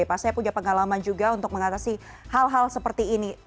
pak saya punya pengalaman juga untuk mengatasi hal hal seperti ini